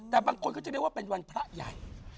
แต่บางคนจะดีลว่าวันพระใหญ่